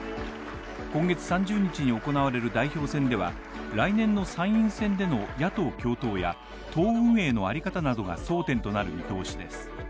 今月３０日に行われる代表戦では、来年の参院選での野党共闘や党運営のあり方などが争点となる見通しです。